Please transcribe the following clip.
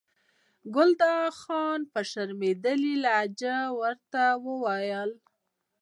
ګلداد خان په شرمېدلې لهجه ورته وایي.